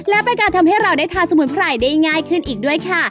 และเป็นการทำให้เราได้ทานสมุนไพรได้ง่ายขึ้นอีกด้วยค่ะ